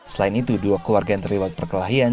selain itu dua keluarga yang terlibat perkelahian